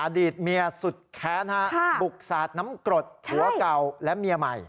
อดีตเมียสุดแค้นฮะบุกสาดน้ำกรดผัวเก่าและเมียใหม่